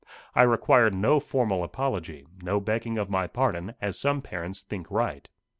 I required no formal apology, no begging of my pardon, as some parents think right.